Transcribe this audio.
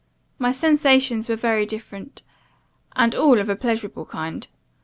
My sensations were very different, and all of a pleasurable kind.